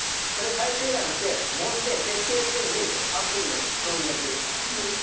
それ改正案にしてもんで決定するのに安保理の承認が必要ですから。